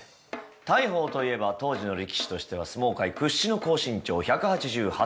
大鵬といえば当時の力士としては相撲界屈指の高身長１８８ｃｍ。